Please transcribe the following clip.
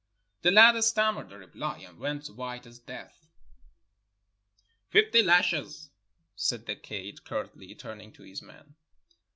The lad stammered a reply, and went white as death. "Fifty lashes," said the kaid curtly, turning to his men.